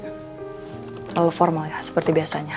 terlalu formal ya seperti biasanya